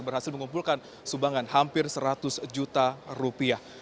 berhasil mengumpulkan sumbangan hampir seratus juta rupiah